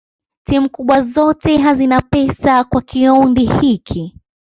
timu kubwa zote hazina pesa kwa kioindi hiki